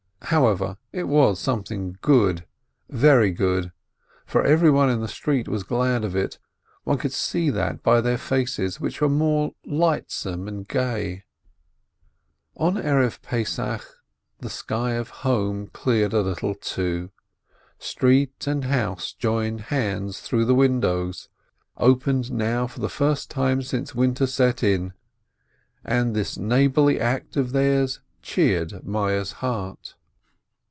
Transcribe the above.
Anyhow it was something good, very good, for everyone in the street was glad of it, one could see that by their faces, which were more lightsome and gay On the Eve of Passover the sky of home cleared a little too, street and house joined hands through the windows, opened now for the first time since winter set in, and this neighborly act of theirs cheered Meyerl's heart.